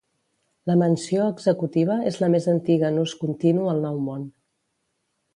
La Mansió Executiva és la més antiga en ús continu al Nou Món.